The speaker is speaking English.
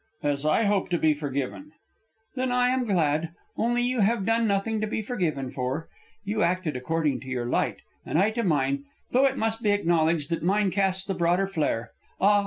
"As I hope to be forgiven." "Then I am glad only, you have done nothing to be forgiven for. You acted according to your light, and I to mine, though it must be acknowledged that mine casts the broader flare. Ah!